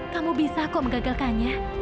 kamu bisa kok mengagalkannya